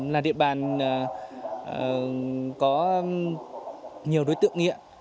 là địa bàn có nhiều đối tượng nghiện